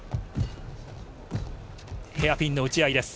ヘアピンの打ち合いです。